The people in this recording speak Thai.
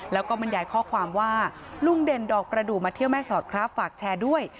แล้วก็บรรยายข้อความว่าลุงเด่นดอกประดูกมาเที่ยวแม่สอดครับฝากแชร์ด้วย